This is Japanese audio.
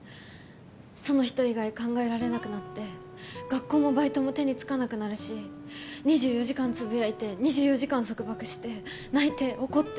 その人以外考えられなくなって学校もバイトも手につかなくなるし２４時間つぶやいて２４時間束縛して泣いて怒って。